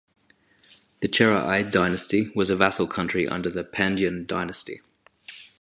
The Chera-Ai Dynasty was a vassal country under the Pandyan dynasty.